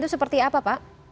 itu seperti apa pak